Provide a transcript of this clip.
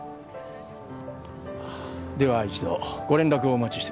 では一度ご連絡をお待ちしてます。